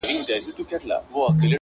ته بچی د بد نصیبو د وطن یې٫